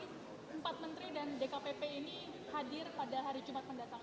empat menteri dan dkpp ini hadir pada hari jumat mendatang